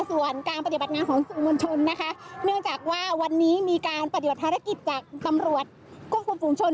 ส่วนการปฏิบัติงานของสื่อมวลชนนะคะเนื่องจากว่าวันนี้มีการปฏิบัติภารกิจจากตำรวจควบคุมฝุงชน